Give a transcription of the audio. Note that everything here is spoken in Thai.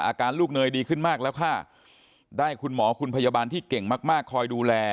อาการลูกเนยดีขึ้นมากแล้วค่ะได้คุณหมอคุณพยาบาลที่เก่งมากมากคอยดูแล